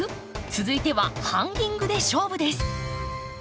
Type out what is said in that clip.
続いてはハンギングで勝負です。